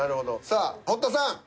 さあ堀田さん